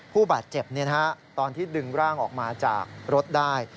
ผู้บาดเจ็บตอนที่ดึงร่างออกมาจากรถได้